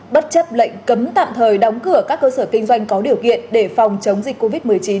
bất chấp lệnh cấm tạm thời đóng cửa các cơ sở kinh doanh có điều kiện để phòng chống dịch covid một mươi chín